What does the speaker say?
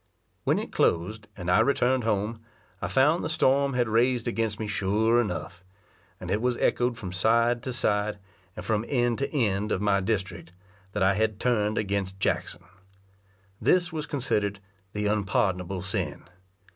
When it closed, and I returned home, I found the storm had raised against me sure enough; and it was echoed from side to side, and from end to end of my district, that I had turned against Jackson. This was considered the unpardonable sin.